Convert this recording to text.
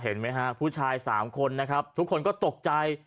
เห็นไหมฮะผู้ชายสามคนนะครับทุกคนก็ตกใจ